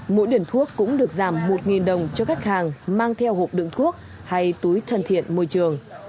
mỗi điểm thuốc cũng được giảm một đồng cho khách hàng mang theo hộp đựng thuốc hay túi thân thiện môi trường